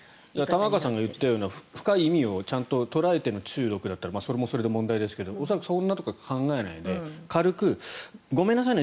玉川さんが言ったような深い意味をちゃんと捉えての中毒だったらそれもそれで問題ですが恐らくそんなことは考えないで軽く、ごめんなさいね